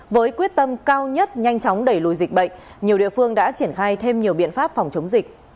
với quyết tâm cao nhất nhanh chóng đẩy lùi dịch bệnh nhiều địa phương đã triển khai thêm nhiều biện pháp phòng chống dịch